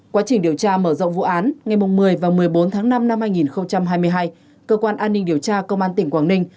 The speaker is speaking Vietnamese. quá trình điều tra mở rộng vụ án ngày một mươi và một mươi bốn tháng năm năm hai nghìn hai mươi hai cơ quan an ninh điều tra công an tỉnh quảng ninh